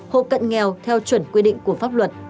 hộ cận nghèo theo chuẩn quy định của pháp luật